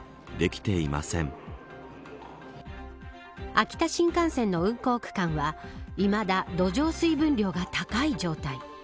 秋田新幹線の運行区間はいまだ土壌水分量が高い状態。